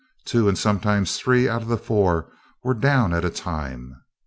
Two and sometimes three out of the four were down at a time.